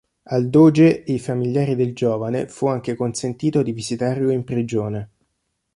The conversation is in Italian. Al doge e i familiari del giovane fu anche consentito di visitarlo in prigione.